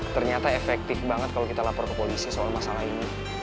ternyata efektif banget kalau kita lapor ke polisi soal masalah ini